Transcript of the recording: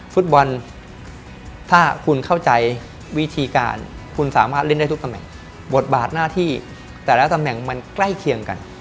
ฟุตบอลถ้าคุณเข้าใจวิธีการคุณสามารถเล่นได้ทุกตำแหน่งบทบาทหน้าที่แต่ละตำแหน่งมันใกล้เคียงกัน